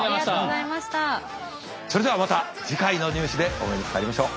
それではまた次回の「ニュー試」でお目にかかりましょう。